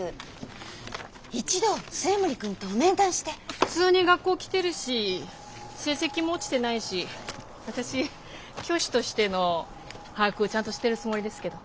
普通に学校来てるし成績も落ちてないし私教師としての把握をちゃんとしてるつもりですけど。